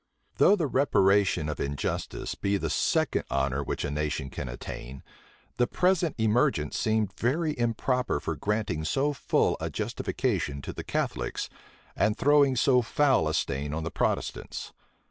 Though the reparation of injustice be the second honor which a nation can attain, the present emergence seemed very improper for granting so full a justification to the Catholics, and throwing so foul a stain on the Protestants.